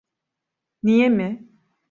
Niye mi?